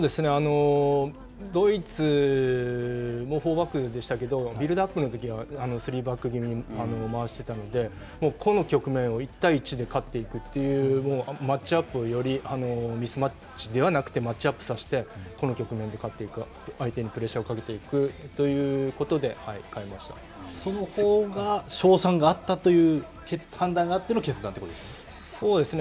ドイツも４バックでしたけれども、ビルドアップのときは３バックぎみに回してたので、この局面を１対１で勝っていくというマッチアップをよりミスマッチではなくてマッチアップさせてこの局面で勝っていく、相手にプレッシャーをかけていくというこそのほうが勝算があったという判断があっての決断ということですよね。